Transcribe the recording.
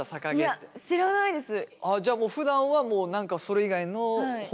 いや知らないです。